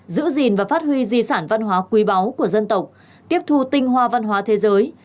giữ gìn và phát huy di sản văn hóa quý báu của dân tộc tiếp thu tinh hoa văn hóa thế giới